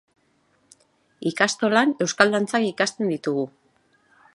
Ikastolan euskal dantzak ikasten ditugu